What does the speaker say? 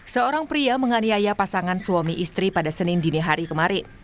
seorang pria menganiaya pasangan suami istri pada senin dini hari kemarin